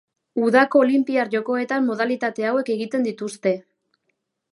Udako Olinpiar Jokoetan modalitate hauek egiten dituzte.